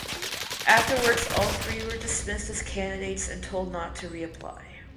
Afterwards all three were dismissed as candidates and told not to reapply.